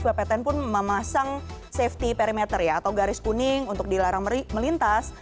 radioaktif bpn pun memasang safety perimeter atau garis kuning untuk dilarang melintas